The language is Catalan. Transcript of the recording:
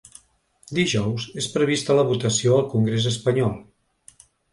Dijous és prevista la votació al congrés espanyol.